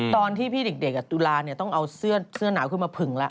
ตอนที่พี่เด็กตุลาต้องเอาเสื้อหนาวขึ้นมาผึ่งแล้ว